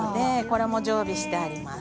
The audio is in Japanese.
これも常備しています。